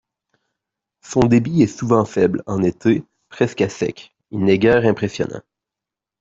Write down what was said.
Son débit est souvent faible, en été, presque à sec, il n'est guère impressionnant.